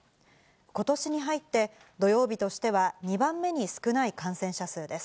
ことしに入って、土曜日としては２番目に少ない感染者数です。